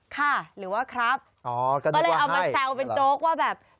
ค่ะหรือว่าครับก็เลยเอามาแซวเป็นโจ๊กว่าแบบ